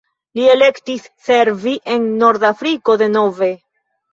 Li elektis servi en Nordafriko denove.